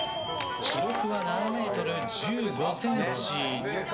記録は７ｍ１５ｃｍ。